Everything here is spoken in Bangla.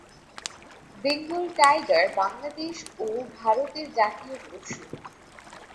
বেঙ্গল টাইগার বাংলাদেশ ও ভারতের জাতীয় পশু।